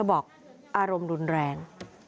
บอกอารมณ์รุนแรง